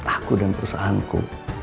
aku dan perusahaanku